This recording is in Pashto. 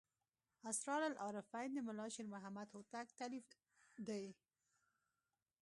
اسرار العارفین د ملا شیر محمد هوتک تألیف دی.